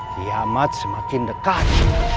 kiamat semakin dekat